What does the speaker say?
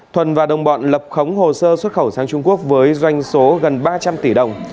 thuần và đồng bọn lập khống hồ sơ xuất khẩu sang trung quốc với doanh số gần ba trăm linh tỷ đồng